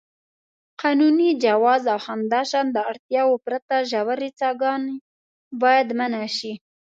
قانوني جواز او همداشان د اړتیا پرته ژورې څاګانې باید منع شي.